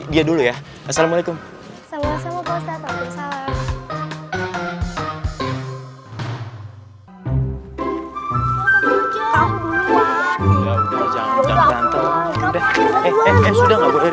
betul dia nabrak saya tadi di pasar